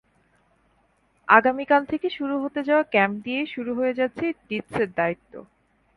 আগামীকাল থেকে শুরু হতে যাওয়া ক্যাম্প দিয়েই শুরু হয়ে যাচ্ছে ডিটসের দায়িত্ব।